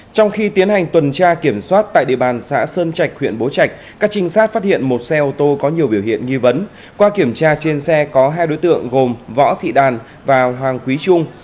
trong khi tiến hành tuần tra kiểm soát tại địa bàn xã sơn trạch huyện bố trạch các trinh sát phát hiện một xe ô tô có nhiều biểu hiện nghi vấn qua kiểm tra trên xe có hai đối tượng gồm võ thị đàn và hoàng quý trung